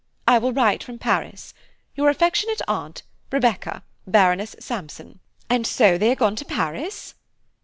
I will write from Paris. "Your affectionate aunt, "REBECCA, BARONESS SAMPSON." "And so they are gone to Paris!"